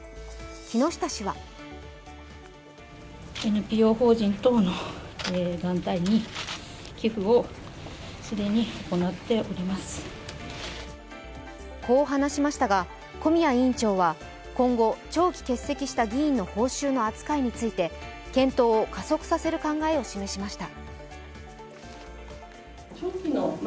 木下氏はこう話しましたが、小宮委員長は今後、長期欠席した議員の報酬の扱いについて検討を加速させる考えを示しました。